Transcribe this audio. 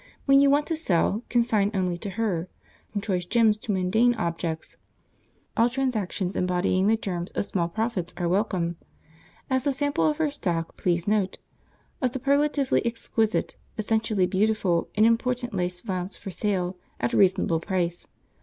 When you want to sell, consign only to her, from choice gems to mundane objects. All transactions embodying the germs of small profits are welcome. As a sample of her stock please note: A superlatively exquisite, essentially beautiful, and important lace flounce for sale, at a reasonable price.